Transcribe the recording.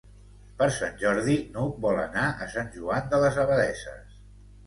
Per Sant Jordi n'Hug vol anar a Sant Joan de les Abadesses.